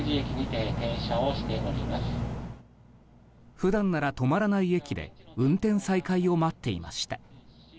普段なら止まらない駅で運転再開を待っていました。